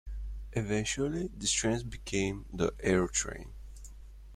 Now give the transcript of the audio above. Eventually, these trains became the Aerotrain.